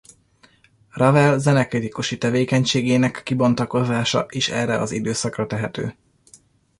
Ravel zenekritikusi tevékenységének kibontakozása is erre az időszakra tehető.